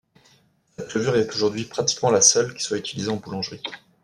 Cette levure est aujourd’hui pratiquement la seule qui soit utilisée en boulangerie.